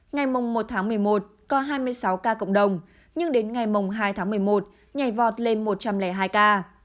ngày một tháng một mươi một có hai mươi sáu ca cộng đồng nhưng đến ngày hai tháng một mươi một nhảy vọt lên một trăm linh hai ca